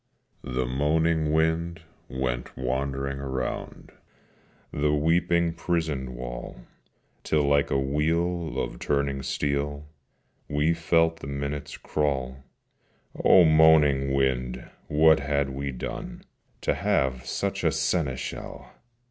The moaning wind went wandering round The weeping prison wall: Till like a wheel of turning steel We felt the minutes crawl: O moaning wind! what had we done To have such a seneschal?